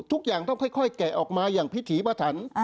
ทุกอย่างต้องค่อยแกะออกมาอย่างพิถีปถัน